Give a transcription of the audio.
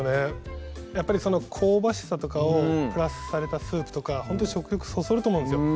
やっぱり香ばしさとかをプラスされたスープとかほんと食欲そそると思うんですよ